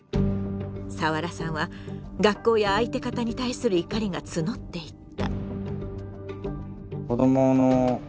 サワラさんは学校や相手方に対する怒りが募っていった。